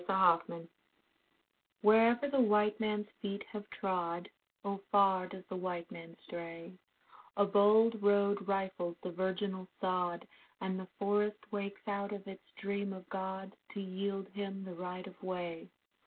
THE WHITE MAN Wherever the white manâs feet have trod (Oh far does the white man stray) A bold road rifles the virginal sod, And the forest wakes out of its dream of God, To yield him the right of way.